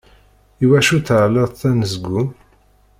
I wacu tεelleḍt anezgum?